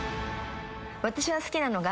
私が好きなのが。